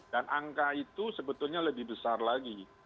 dan angka itu sebetulnya lebih besar lagi